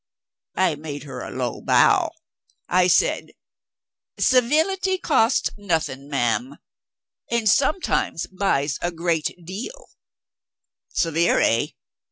I made her a low bow. I said, "Civility costs nothing, ma'am; and sometimes buys a great deal" (severe, eh?).